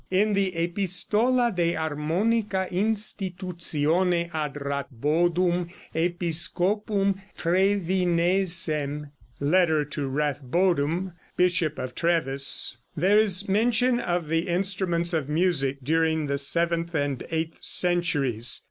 In the "Epistola de Harmonica Institutione ad Rathbodum Episcopum Trevinesem" ("Letter to Rathbodum, Bishop of Treves"), there is mention of the instruments of music during the seventh and eighth centuries.